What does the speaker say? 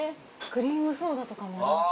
クリームソーダとかもあります。